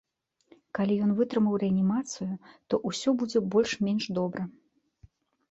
Калі ён вытрымаў рэанімацыю, то ўсё будзе больш-менш добра.